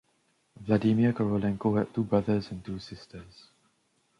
Vladimir Korolenko had two brothers and two sisters.